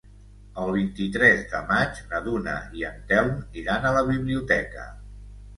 El vint-i-tres de maig na Duna i en Telm iran a la biblioteca.